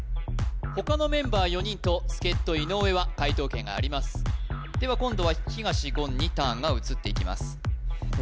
他のメンバー４人と助っ人井上は解答権がありますでは今度は東言にターンが移っていきますえ